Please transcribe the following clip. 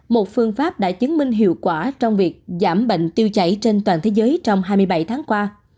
một phương pháp đã chứng minh hiệu quả trong việc giảm bệnh tiêu chảy trên toàn thế giới trong hai mươi bảy tháng qua